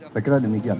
saya kira demikian